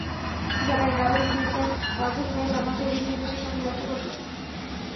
জাপানের নাগরিক মিয়াতার মাধ্যমে তাঁরা জাপানসহ বিভিন্ন দেশের সঙ্গে ব্যবসা করতেন।